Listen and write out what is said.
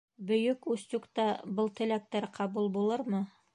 Бөйөк Устюгта был теләктәр ҡабул булырмы?